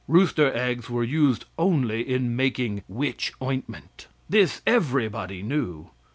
Rooster eggs were used only in making witch ointment. This everybody knew.